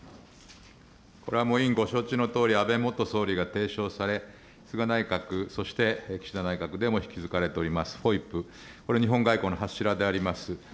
これは委員ご承知のとおり、安倍元総理が提唱され、菅内閣、そして岸田内閣でも引き継がれております、ＦＯＩＰ、これ、日本外交の柱であります。